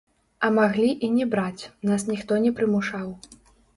А маглі і не браць, нас ніхто не прымушаў.